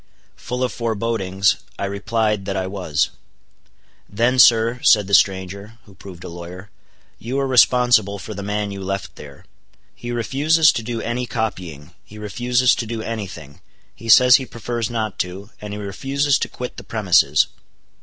Full of forebodings, I replied that I was. "Then sir," said the stranger, who proved a lawyer, "you are responsible for the man you left there. He refuses to do any copying; he refuses to do any thing; he says he prefers not to; and he refuses to quit the premises."